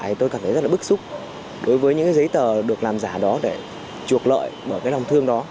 thì tôi cảm thấy rất là bức xúc đối với những cái giấy tờ được làm giả đó để trục lợi bởi cái lòng thương đó